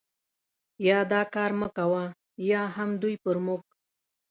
یا دا کار مه کوه، بیا هم دوی پر موږ.